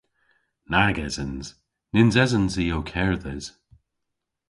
Nag esens. Nyns esens i ow kerdhes.